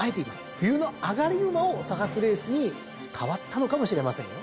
冬の上がり馬を探すレースに変わったのかもしれませんよ。